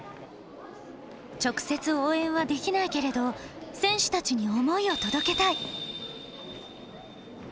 直接、応援はできないけれど選手たちに思いを届けたい。